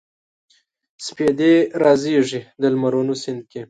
سپیدې رازیږي د لمرونو سیند کې